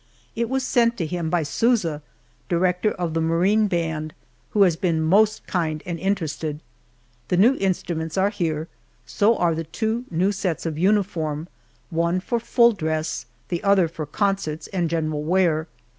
It was sent to him by Sousa, director of the Marine Band, who has been most kind and interested. The new instruments are here, so are the two new sets of uniform one for full dress, the other for concerts and general wear.